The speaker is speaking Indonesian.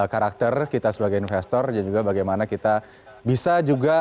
karakter kita sebagai investor dan juga bagaimana kita bisa juga